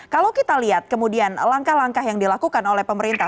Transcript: kalau kita lihat kemudian langkah langkah yang dilakukan oleh pemerintah